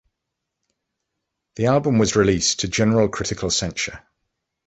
The album was released to general critical censure.